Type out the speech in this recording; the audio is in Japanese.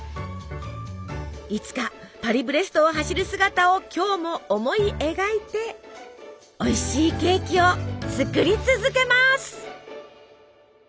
いつかパリブレストを走る姿を今日も思い描いておいしいケーキを作り続けます！